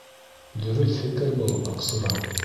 — Дөрөҫ фекер был, Аҡсура.